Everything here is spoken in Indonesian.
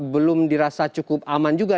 belum dirasa cukup aman juga